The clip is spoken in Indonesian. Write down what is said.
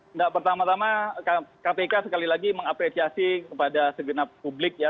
enggak pertama tama kpk sekali lagi mengapresiasi kepada segenap publik ya